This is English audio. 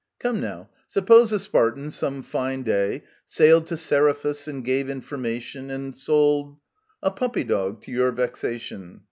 Come now, suppose a Spartan, some fine day, Sailed to Seriphus, and gave information, And sold — a puppy dog to your vexation